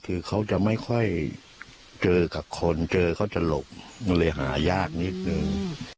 คือเขาจะไม่ค่อยเจอกับคนเจอเขาจะหลบมันเลยหายากนิดนึง